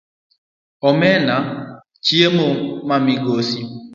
Omena chiemo ma migosi.